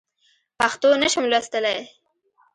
پښتو نه شم لوستلی.